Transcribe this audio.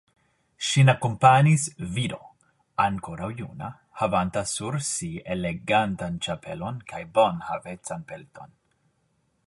Ŝin akompanis viro ankoraŭ juna, havanta sur si elegantan ĉapelon kaj bonhavecan pelton.